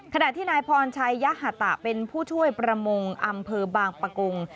ขณะที่นายพรชัยยะหตะเป็นผู้ช่วยประมงอำเภอบางปะกง